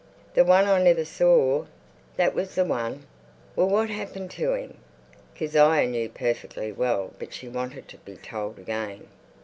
"The one I never saw?" "That was the one." "Well, what happened to him?" Kezia knew perfectly well, but she wanted to be told again.